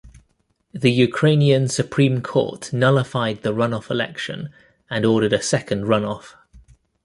The Ukrainian Supreme Court nullified the runoff election, and ordered a second runoff.